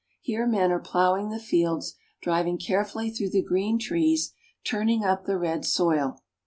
Here men are plowing the fields, driving carefully through the green trees, turning up the red soil.